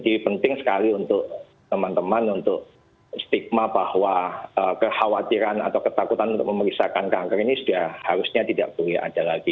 ini penting sekali untuk teman teman untuk stigma bahwa kekhawatiran atau ketakutan untuk memeriksakan kanker ini sudah harusnya tidak boleh ada lagi